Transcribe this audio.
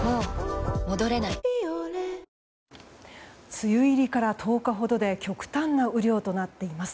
梅雨入りから１０日ほどで極端な雨量となっています。